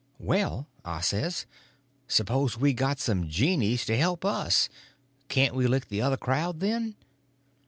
"Well," I says, "s'pose we got some genies to help us—can't we lick the other crowd then?"